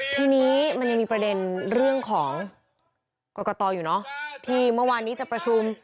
ทีนี้มันยังมีประเด็นเรื่องของกรกตอยู่เนอะที่เมื่อวานนี้จะประชุม